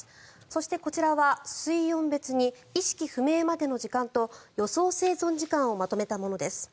そして、こちらは水温別に意識不明までの時間と予想生存時間をまとめたものです。